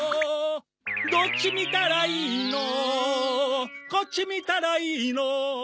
「どっちみたらいいのこっちみたらいいの」